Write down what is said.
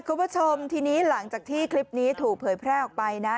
คุณผู้ชมทีนี้หลังจากที่คลิปนี้ถูกเผยแพร่ออกไปนะ